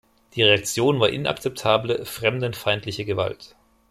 Die Reaktion war inakzeptable, fremdenfeindliche Gewalt.